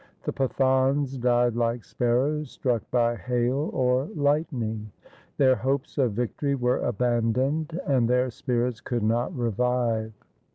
The Pathans died like sparrows struck by hail or lightning. Their hopes of victory were abandoned, and their spirits could not revive.